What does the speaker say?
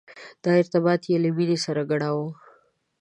دا ارتباط یې له مینې سره ګډاوه.